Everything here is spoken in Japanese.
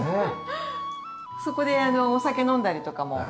そこでお酒飲んだりとかもしてますね。